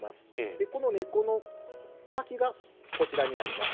でこの根っこの先がこちらになります。